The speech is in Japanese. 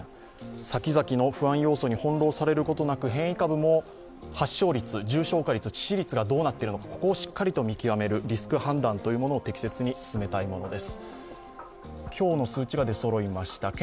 先々の不安要素に翻弄されることなく変異株も発症率、重症化率、致死率がどうなっているのか、ここをしっかりと見極める、リスク判断というものを適切に進めたいものです。